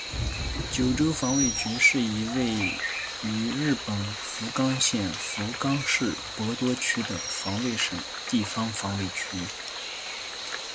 九州防卫局是一位于日本福冈县福冈市博多区的防卫省地方防卫局。